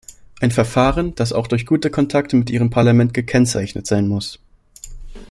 Ein Verfahren, das auch durch gute Kontakte mit Ihrem Parlament gekennzeichnet sein muss.